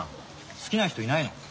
好きな人いないの？